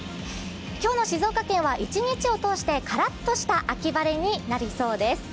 今日の静岡県は一日を通してカラッとした秋晴れとなりそうです。